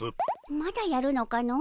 まだやるのかの。